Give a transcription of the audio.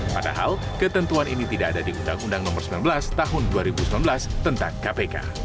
padahal ketentuan ini tidak ada di undang undang nomor sembilan belas tahun dua ribu sembilan belas tentang kpk